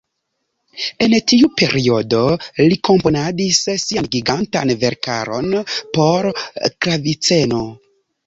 En tiu periodo li komponadis sian gigantan verkaron por klaviceno.